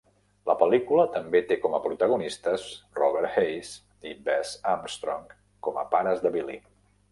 La pel·lícula també té com a protagonistes Robert Hays i Bess Armstrong com a pares del Billy.